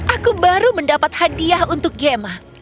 aku baru mendapat hadiah untuk gemma